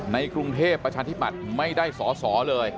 ในกรุงเทพประชาธิปัตย์ไม่ได้สอสอเลย